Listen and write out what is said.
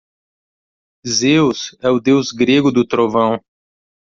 Zeus é o deus grego do trovão.